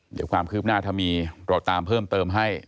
เดี๋ยวความคืบหน้าถ้ามีเราตามเพิ่มเติมให้